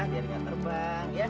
biar nggak terbang ya